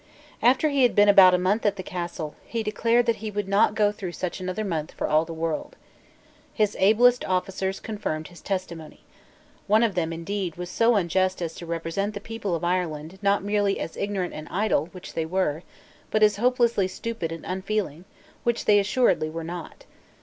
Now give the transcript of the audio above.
After he had been about a month at the Castle, he declared that he would not go through such another month for all the world. His ablest officers confirmed his testimony, One of them, indeed, was so unjust as to represent the people of Ireland not merely as ignorant and idle, which they were, but as hopelessly stupid and unfeeling, which they assuredly were not.